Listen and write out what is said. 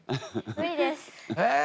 無理です。え！